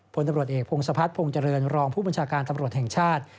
พลตำรวจเอกพงศพัฒนภงเจริญรองผู้บัญชาการตำรวจแห่งชาติ